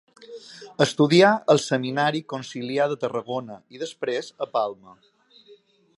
Estudià al Seminari Conciliar de Tarragona i després a Palma.